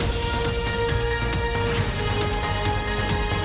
สวัสดีครับทุกคน